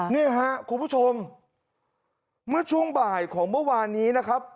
เนี่ยฮะคุณผู้ชมเมื่อช่วงบ่ายของเมื่อวานนี้นะครับ